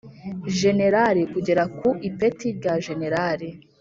Jenerali kugera ku ipeti rya jenerali